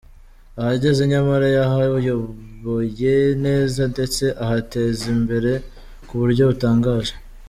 Ahageze nyamara yahayoboye neza, ndetse ahateza imbere ku buryo butangaje.